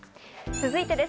続いてです。